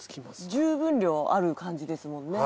十分量ある感じですもんね。